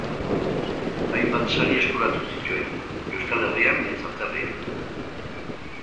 Hainbat sari eskuratu zituen, Euskal Herrian nahiz atzerrian.